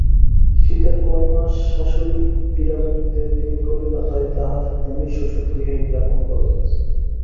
শীতের কয় মাস শাশুড়ির পীড়াপীড়িতে তিনি কলিকাতায় তাঁহার ধনী শ্বশুরগৃহেই যাপন করেন।